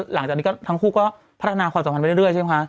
หลังจากนี้ก็ทั้งคู่ก็พัฒนาความสัมพันธ์ไปเรื่อยใช่ไหมคะ